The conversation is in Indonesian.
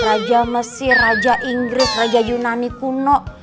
raja mesir raja inggris raja yunani kuno